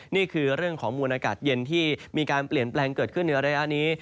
นี่คือเรื่องของมวลอากาศเย็นที่มีการเปลี่ยนแปลงเกิดขึ้นในระยะนี้